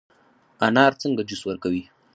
انار څنګه جوس ورکوي؟